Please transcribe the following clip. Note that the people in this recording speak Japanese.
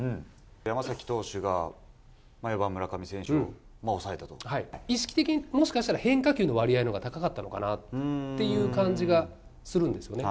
山崎投手が村上選手を抑えた意識的に、もしかしたら変化球の割合のほうが高かったのかなっていう感じがするんですよね。